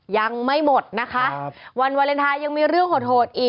ยังไม่หมดนะคะวันวาเลนไทยยังมีเรื่องโหดอีก